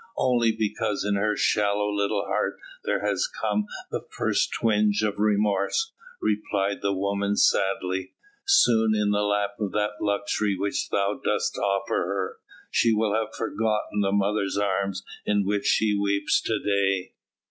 "Only because in her shallow little heart there has come the first twinge of remorse," replied the woman sadly. "Soon, in the lap of that luxury which thou dost offer her, she will have forgotten the mother's arms in which she weeps to day."